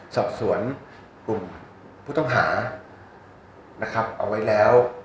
สอบสวนกลุ่มผู้ต้องหานะครับเอาไว้แล้ว